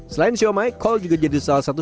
selain siomay call juga jadi salah satu